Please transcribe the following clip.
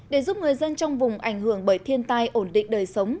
để giúp người dân trong vùng ảnh hưởng bởi thiên tai ổn định đời sống